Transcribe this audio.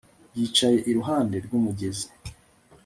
Yicaye iruhande rwumugezi